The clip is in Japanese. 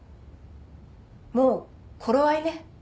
もう頃合いね。